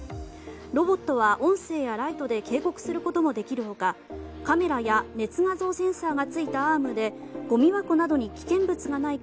ロボットは音声やライトで警告することもできる他カメラや熱画像センサーがついたアームでごみ箱などに危険物がないか